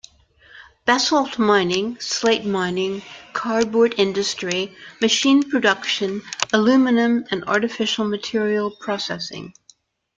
Basalt mining, slate mining, cardboard industry, machine-production, aluminium- and artificial material processing.